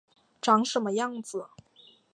长什么样子